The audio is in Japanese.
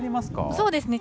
そうですね。